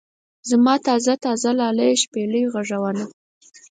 زما تازه تازه لاليه شپېلۍ غږونه.